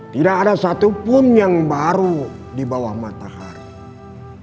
tidak ada satupun yang baru di bawah matahari